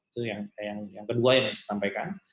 itu yang kedua yang ingin saya sampaikan